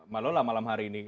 malola malam hari ini